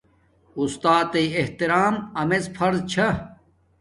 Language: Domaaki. استات تݵ احترام امیڎ فرض چھا